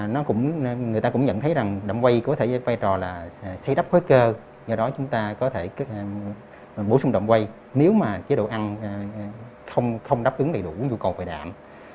người ta cũng nhận thấy rằng đậm quay có thể có vai trò là xây đắp khối cơ do đó chúng ta có thể bổ sung đậm quay nếu mà chế độ ăn không đáp ứng đầy đủ nhu cầu về đạm